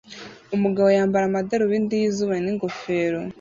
umugabo yambara amadarubindi y'izuba n'ingofero